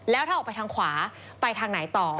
แล้วถ้าออกไปทางขวาไปทางไหนต่อ